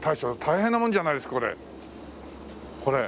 大変なものじゃないですかこれ。